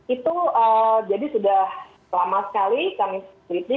itu jadi sudah lama sekali kami teliti